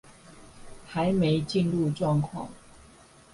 還沒進入狀況